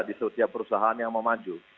di setiap perusahaan yang mau maju